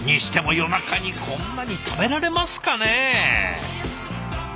夜中にこんなに食べられますかね。